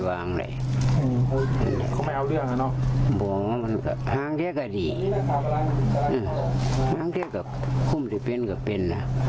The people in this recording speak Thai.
ห้างเที่ยวก็ดีห้างเที่ยวก็คุมที่เป็นก็เป็นอ่ะ